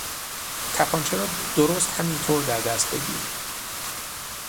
تپانچه را درست همینطور در دست بگیر.